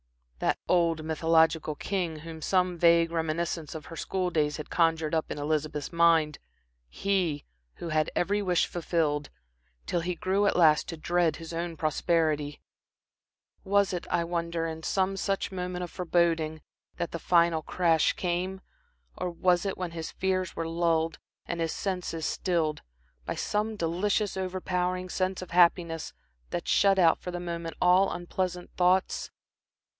That old mythological king whom some vague reminiscence of her school days had conjured up in Elizabeth's mind, he who had every wish fulfilled, till he grew at last to dread his own prosperity was it, I wonder, in some such moment of foreboding that the final crash came, or was it when his fears were lulled and his senses stilled, by some delicious, over powering sense of happiness that shut out for the moment all unpleasant thoughts?